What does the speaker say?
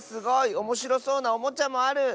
おもしろそうなおもちゃもある！